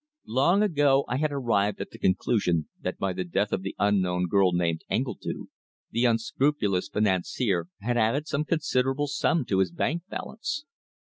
Long ago I had arrived at the conclusion that by the death of the unknown girl named Engledue, the unscrupulous financier had added some considerable sum to his bank balance.